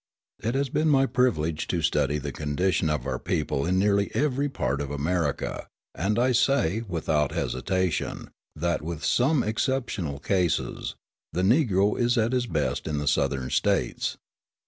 It has been my privilege to study the condition of our people in nearly every part of America; and I say, without hesitation, that, with some exceptional cases, the Negro is at his best in the Southern States.